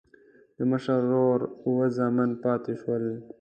د مشر ورور اووه زامن پاتې شول.